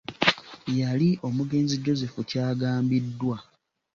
Yali omugenzi Joseph Kyagambiddwa.